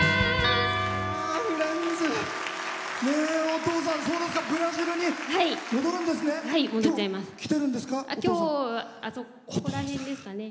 お父さんブラジルに戻るんですね。